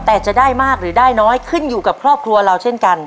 แต่จะได้มากหรือได้น้อยขึ้นอยู่กับครอบครัวเราเช่นกัน